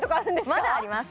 はいまだあります